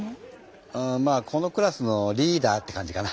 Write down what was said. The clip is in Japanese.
うまあこのクラスのリーダーって感じかな。